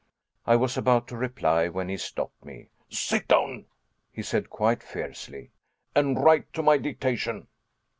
I was about to reply when he stopped me. "Sit down," he said, quite fiercely, "and write to my dictation."